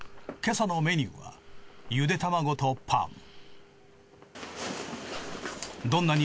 今朝のメニューはゆで卵とパン。